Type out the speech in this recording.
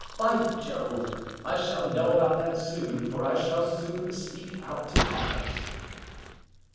By Jove! I shall know about that soon, for I shall soon speak out to Athos."